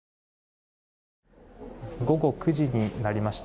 午後９時になりました。